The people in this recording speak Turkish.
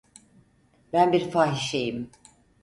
Ben bir fahişeyim.